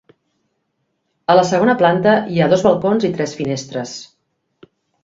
A la segona planta hi ha dos balcons i tres finestres.